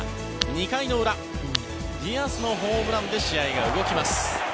２回の裏ディアスのホームランで試合が動きます。